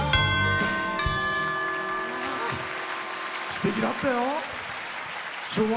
すてきだったよ。